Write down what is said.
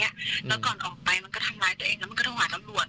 แล้วก่อนออกไปมันก็ทำร้ายตัวเองแล้วมันก็โทรหาตำรวจ